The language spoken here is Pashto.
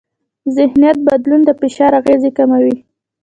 ذهنیت بدلون د فشار اغېزې کموي.